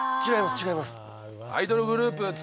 違います。